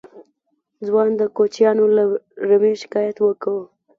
ځوان د کوچيانو له رمې شکايت وکړ.